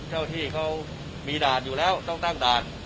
เจ้าที่เขามีด่านอยู่แล้วต้องตั้งด่าน